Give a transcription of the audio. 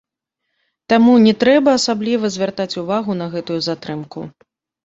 Таму не трэба асабліва звяртаць увагу на гэтую затрымку.